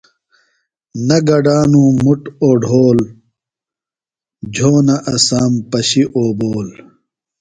نہ گڈانوۡ مُٹ اوڈھول، جھونہ اسام پشیۡ اوبول